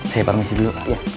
saya permisi dulu